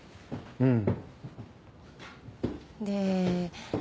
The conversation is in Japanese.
うん。